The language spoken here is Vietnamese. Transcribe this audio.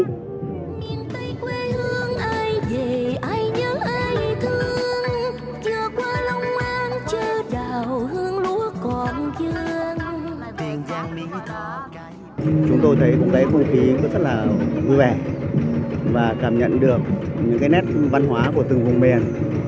chúng tôi thấy cũng thấy không khí rất là vui vẻ và cảm nhận được những cái nét văn hóa của từng vùng miền